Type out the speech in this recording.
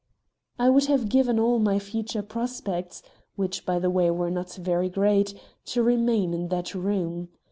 I would have given all my future prospects (which, by the way, were not very great) to remain in that room.